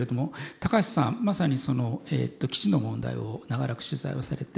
高橋さんまさに基地の問題を長らく取材をされていらっしゃいました。